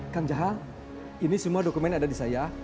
kang jaha ini semua dokumen ada di saya